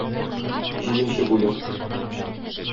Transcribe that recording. Җиденче бүлек.